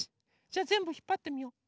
じゃあぜんぶひっぱってみよう。